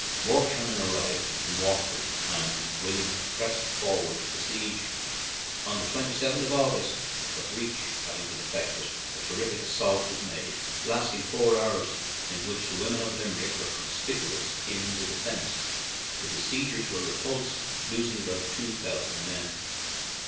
More cannon arrived from Waterford, and William pressed for ward the siege. On the 27th of August, a breach having been effected, a terrific assault was made, lasting four hours, in which the women of Limerick were con spicuous in the defence; the besiegers were repulsed, losing about two thou 123 ON AN IRISH JAUNTING CAR sand men.